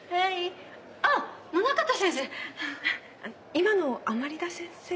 今の甘利田先生？